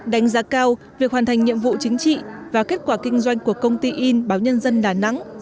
đánh giá cao việc hoàn thành nhiệm vụ chính trị và kết quả kinh doanh của công ty in báo nhân dân đà nẵng